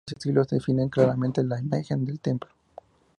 Ambos estilos definen claramente la imagen del templo.